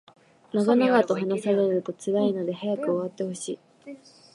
長々と話されると辛いので早く終わってほしい